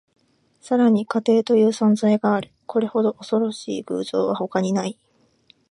さらに、家庭という存在がある。これほど恐ろしい偶像は他にない。